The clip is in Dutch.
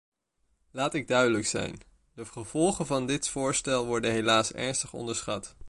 Laat ik duidelijk zijn: de gevolgen van dit voorstel worden helaas ernstig onderschat.